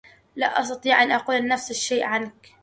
لا أستطيع أن أقول نفس الشّيء عنك.